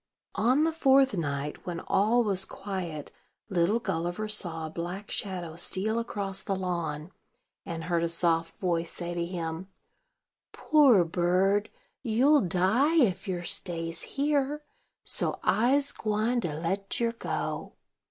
On the fourth night, when all was quiet, little Gulliver saw a black shadow steal across the lawn, and heard a soft voice say to him: "Poor bird, you'll die, if yer stays here; so I'se gwine to let yer go.